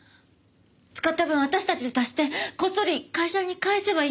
使った分私たちで足してこっそり会社に返せばいいじゃない。